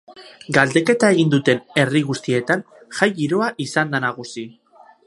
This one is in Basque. Galdeketa egin duten herri guztietan jai giroa izan da nagusi.